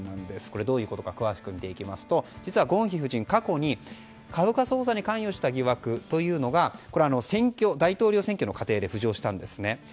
これ、どういうことか詳しく見ていきますと実はゴンヒ夫人、過去に株価操作に関与した疑惑が大統領選挙の過程で浮上したんです。